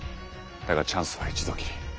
だがチャンスは一度きり。